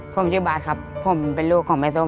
ผมชื่อบาทครับผมเป็นลูกของแม่ส้ม